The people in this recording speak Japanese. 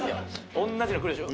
おんなじの来るでしょ。